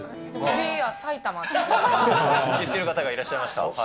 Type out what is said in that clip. ウィー・アー・埼玉って言わいってる方がいらっしゃいました。